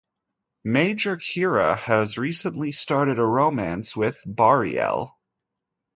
Major Kira has recently started a romance with Bareil.